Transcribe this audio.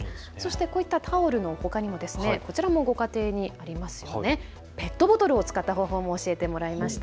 こういったタオルのほかにもこちらもご家庭にありますよね、ペットボトルを使った方法も教えてもらいました。